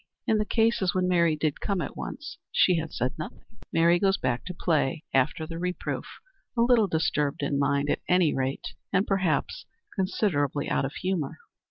In the cases when Mary did come at once, she had said nothing. Mary goes back to her play after the reproof, a little disturbed in mind, at any rate, and perhaps considerably out of humor.